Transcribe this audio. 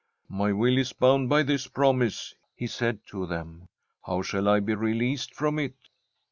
*" My will is bound by this promise," he said to them. " How shall I be released from it?